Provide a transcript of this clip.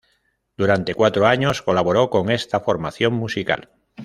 Durante cuatro años colaboró con esta formación musical.